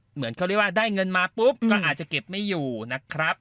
เหมือนเขาเรียกว่าได้เงินมาปุ๊บก็อาจจะเก็บไม่อยู่นะครับ